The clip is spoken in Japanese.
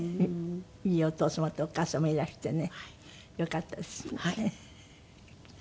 いいお父様とお母様いらしてねよかったですね。